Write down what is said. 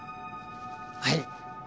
はい。